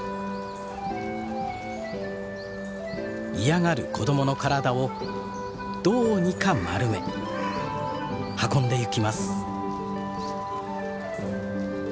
嫌がる子供の体をどうにか丸め運んでゆきます。